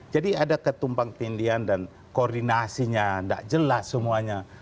jadi ada ketumpang tindian dan koordinasinya gak jelas semuanya